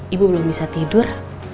ibu belum bisa tidur